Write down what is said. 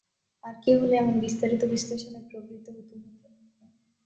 আর কেউ হলে এমন বিস্তারিত বিশ্লেষণে প্রবৃত্ত হতুম না।